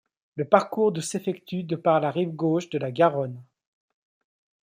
Le parcours de s'effectue par la rive gauche de la Garonne.